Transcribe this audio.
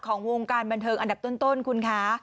ของวงการบันเทิงอันดับต้นคุณคะ